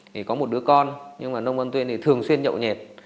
thì có một đứa con nhưng mà nông văn tuyên thì thường xuyên nhậu nhẹt